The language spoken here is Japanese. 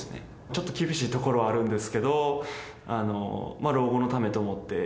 ちょっと厳しいところはあるんですけれども、老後のためと思って。